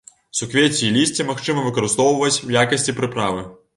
Суквецці і лісце магчыма выкарыстоўваць у якасці прыправы.